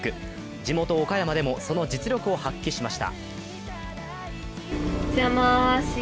地元・岡山でも、その実力を発揮しました。